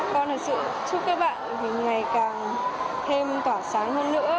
con thật sự chúc các bạn ngày càng thêm tỏa sáng hơn nữa